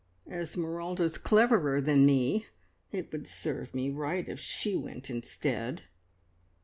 Esmeralda's cleverer than me. It would serve me right if she went instead."